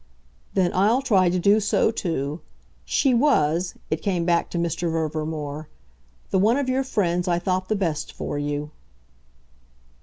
"Then I'll try to do so too. She WAS" it came back to Mr. Verver more "the one of your friends I thought the best for you."